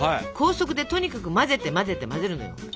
高速でとにかく混ぜて混ぜて混ぜるのよ。